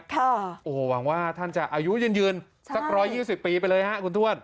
ค่ะโอ้โหหวังว่าท่านจะอายุยืนยืนสัก๑๒๐ปีไปเลยฮะคุณทวด